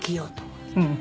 うん。